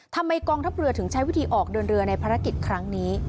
กองทัพเรือถึงใช้วิธีออกเดินเรือในภารกิจครั้งนี้